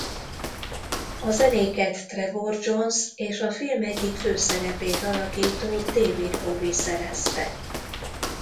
A zenéket Trevor Jones és a film egyik főszerepét alakító David Bowie szerezte.